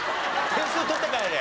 点数取ってからで。